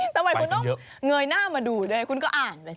ทำไมคุณต้องเงยหน้ามาดูด้วยคุณก็อ่านเลย